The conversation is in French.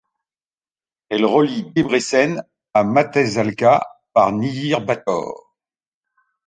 Elle relie Debrecen à Mátészalka par Nyírbátor.